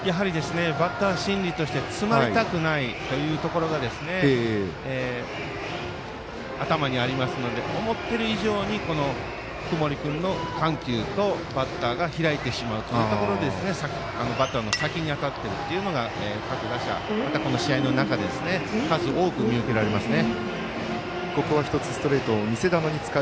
バッター心理として詰まりたくないというところが頭にありますので思っている以上に福盛君の緩急とバッターが開いてしまっているところでバットの先に当たってるというのが各打者、この試合の中で数多く見受けられますね。